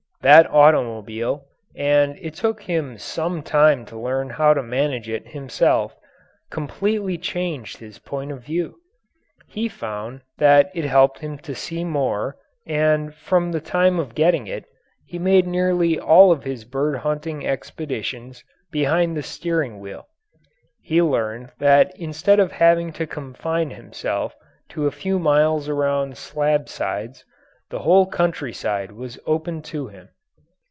That automobile and it took him some time to learn how to manage it himself completely changed his point of view. He found that it helped him to see more, and from the time of getting it, he made nearly all of his bird hunting expeditions behind the steering wheel. He learned that instead of having to confine himself to a few miles around Slabsides, the whole countryside was open to him.